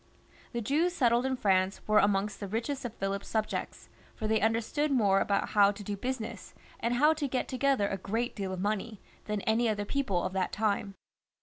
The Jews settled in France were among the richest of Philip's subjects, for they understood more about 134 PHILIP IV, (LE BEL). [cH. how to do business, and how to get together a great deal of money, than any other people of that time.